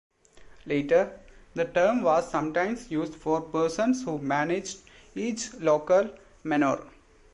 Later, the term was sometimes used for persons who managed each local manor.